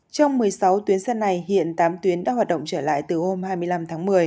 trong một mươi sáu tuyến xe này hiện tám tuyến đã hoạt động trở lại từ hôm hai mươi năm tháng một mươi